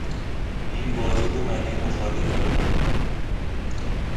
این واژه دو معنی مخالف دارد.